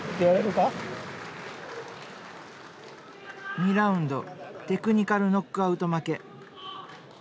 ２ラウンドテクニカルノックアウト負け。